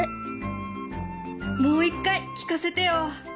もう一回聞かせてよ。